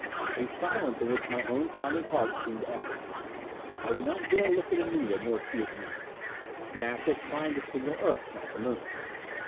A silence in which my own pounding heart seemed to echo. I did not dare look at Anita, nor she at me. Snap was trying to signal Earth, not the Moon!